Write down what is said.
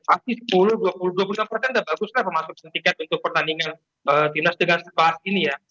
pasti sepuluh dua puluh dua puluh enam persen sudah bagus kan pemasukan tiket untuk pertandingan timnas dengan cepat ini ya